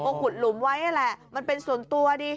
ก็ขุดหลุมไว้นั่นแหละมันเป็นส่วนตัวดิ